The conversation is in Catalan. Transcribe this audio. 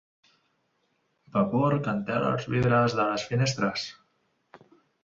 Vapor que entela els vidres de les finestres.